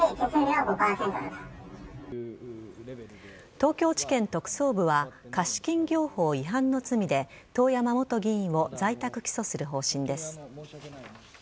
東京地検特捜部は貸金業法違反の罪で遠山元議員を在宅起訴する方針です。